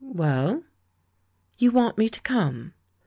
"Well?" "You want me to come?'